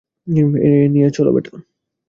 এরে নিয়া চলো বেটা।